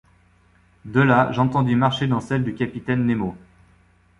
De là, j’entendis marcher dans celle du capitaine Nemo.